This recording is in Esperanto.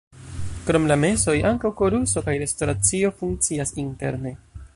Krom la mesoj ankaŭ koruso kaj restoracio funkcias interne.